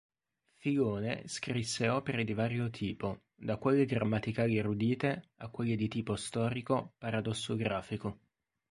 Filone scrisse opere di vario tipo, da quelle grammaticali-erudite a quelle di tipo storico-paradossografico.